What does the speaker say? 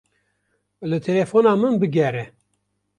Li telefona min bigere.